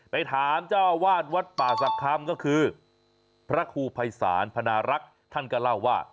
ไปถามเจ้าวาดวัดป่าศักดิ์คำก็คือพระครูภัยศาลพนารักษ์ท่านก็เล่าว่า